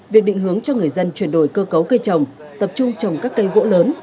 việc định hướng cho người dân chuyển đổi cơ cấu cây trồng tập trung trồng các cây gỗ lớn